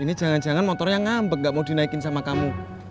ini jangan jangan motornya ngambek nggak mau dinaikin sama kamu